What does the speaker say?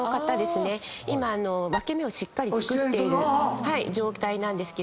今分け目をしっかりつくってる状態なんですけれども。